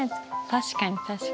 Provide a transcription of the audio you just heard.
確かに確かに。